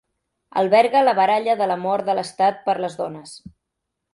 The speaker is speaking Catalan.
Alberga la baralla de la mort de l'estat per a les dones.